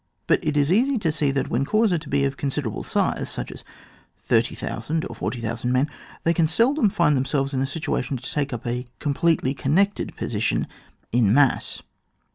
But it is easy to see that, when corps are of considerable size, such as 30,000 or 40,000 men, they can seldom find themselves in a situation to take up a completely connected position in mass.